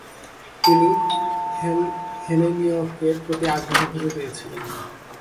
তিনি হেলেনিয়কের প্রতি আগ্রহ খুঁজে পেয়েছিলেন।